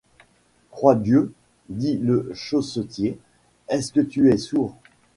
Croix-Dieu ! dit le chaussetier, est-ce que tu es sourd ?